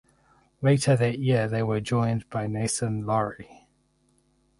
Later that year they were joined by Nason Lawrie.